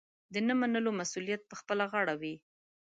د نه منلو مسوولیت پخپله غاړه وي.